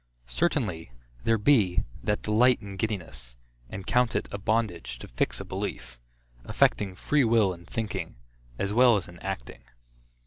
Certainly there be, that delight in giddiness, and count it a bondage to fix a belief; affecting free will in thinking, as well as in acting.